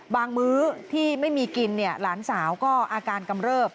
มื้อที่ไม่มีกินหลานสาวก็อาการกำเริบ